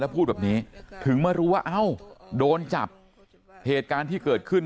พูดแบบนี้ถึงมารู้ว่าเอ้าโดนจับเหตุการณ์ที่เกิดขึ้น